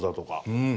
うん。